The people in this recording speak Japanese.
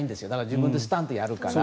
自分でスタントやるから。